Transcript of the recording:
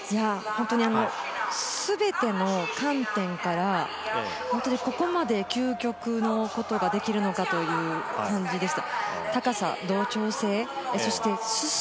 全ての観点から、ここまで究極のことができるのかという感じでした。